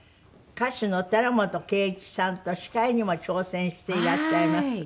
歌手の寺本圭一さんと司会にも挑戦していらっしゃいます。